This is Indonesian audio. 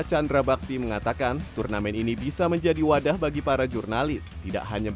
chandra bakti mengatakan turnamen ini bisa menjadi wadah bagi para jurnalis tidak hanya